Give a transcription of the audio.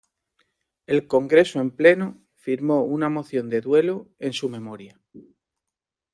El Congreso en pleno firmó una moción de duelo en su memoria.